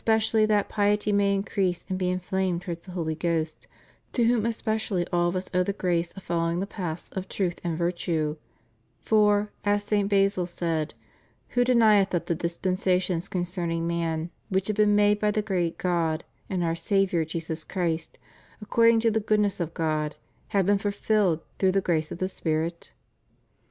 cially that piety may increase and be inflamed towards the Holy Ghost, to whom especially all of us owe the grace of following the paths of truth and virtue, for, as St. Basil said, "Who denieth that the dispensations concerning man, which have been made by the great God and our Saviour Jesus Christ, according to the goodness of God, have been fulfilled through the grace of the Spirit?"